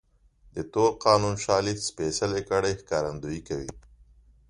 د تور قانون شالید سپېڅلې کړۍ ښکارندويي کوي.